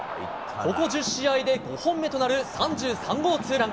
ここ１０試合で５本目となる３３号ツーラン。